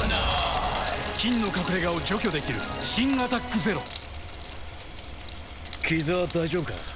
菌の隠れ家を除去できる新「アタックＺＥＲＯ」傷は大丈夫か？